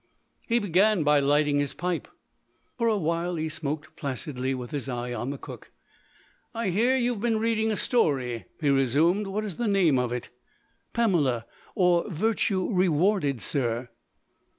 He began by lighting his pipe. For a while he smoked placidly with his eye on the cook. "I hear you have been reading a story," he resumed. "What is the name of it?" "'Pamela; or Virtue Rewarded,' sir."